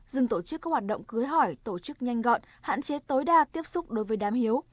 dừng tổ chức các hoạt động cưới hỏi tổ chức nhanh gọn hạn chế tối đa tiếp xúc đối với đám hiếu